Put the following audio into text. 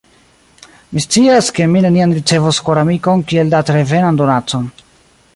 Mi scias ke mi neniam ricevos koramikon kiel datrevenan donacon.